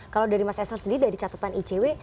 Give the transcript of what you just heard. kalau dari mas eson sendiri dari catatan icw